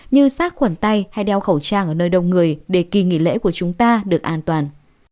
như sát khuẩn tay hay đeo khẩu trang ở nơi đông người để kỳ nghỉ lễ của chúng ta được an toàn